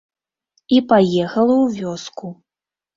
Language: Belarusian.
І паехала ў вёску.